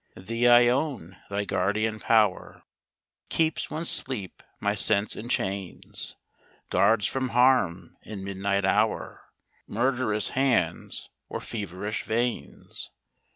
Thee I own, thy guardian power Keeps when sleep my sense enchains 5 Guards from harm in midnight hour5 Murderous hands, or feverish veins.